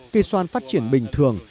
cây xoan phát triển bình thường